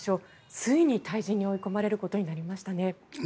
ついに退陣に追い込まれることになりましたね。